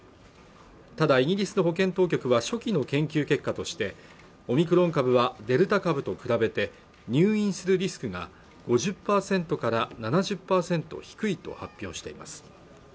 ただイギリスの保健当局は初期の研究結果としてオミクロン株はデルタ株と比べて入院するリスクが５０％から７０％低いと発表しています